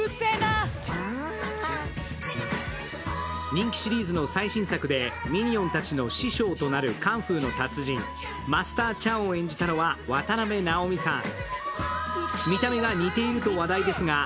人気シリーズの最新作で、ミニオンたちの師匠となるカンフーの達人マスター・チャウを演じたのは渡辺直美さん。